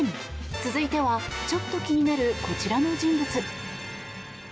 続いてはちょっと気になるこちらの人物。